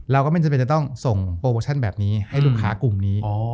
เราก็ไม่จำเป็นจะต้องส่งโปรโมชั่นแบบนี้ให้ลูกค้ากลุ่มนี้